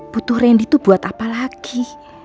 butuh randy itu buat apa lagi